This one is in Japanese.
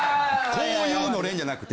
こういうのれんじゃなくて。